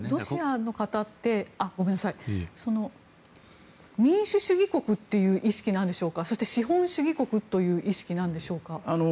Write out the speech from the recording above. ロシアの方って民主主義国という意識なんでしょうかそして資本主義国という意識なんでしょうか。